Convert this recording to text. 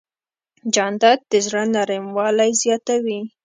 جانداد د زړه نرموالی زیاتوي.